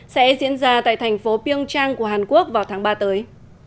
sẽ diễn ra tại thành phố pyeongchang của hàn quốc vào tháng ba tới